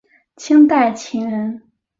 清代琴人。